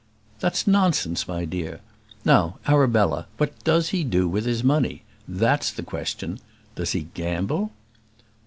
"That's nonsense, my dear. Now, Arabella, what does he do with his money? That's the question. Does he gamble?"